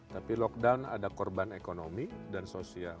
tapi lockdown ada korban ekonomi dan sosial